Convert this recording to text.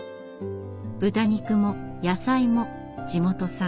豚肉も野菜も地元産。